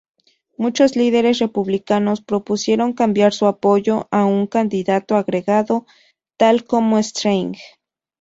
Muchos líderes republicanos propusieron cambiar su apoyo a un candidato agregado, tal como Strange.